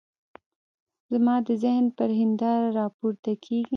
زما د ذهن پر هنداره را پورته کېږي.